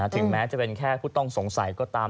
ถึงแม้จะเป็นแค่ผู้ต้องสงสัยก็ตาม